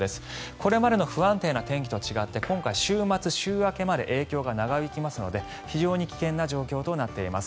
これまでの不安定な天気と違って週末、週明けまで影響が長引きますので非常に危険な状況となっています。